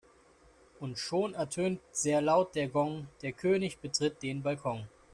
Und schon ertönt sehr laut der Gong, der König betritt den Balkon.